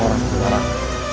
orang itu bukan orang